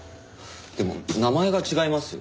でも名前が違いますよ。